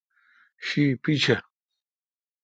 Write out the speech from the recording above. شی پیچھہ۔